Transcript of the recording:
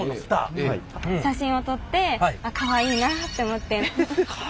写真を撮ってあっかわいいなって思って。